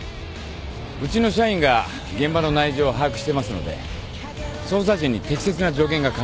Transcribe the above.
うちの社員が現場の内情を把握してますので捜査陣に適切な助言が可能かと。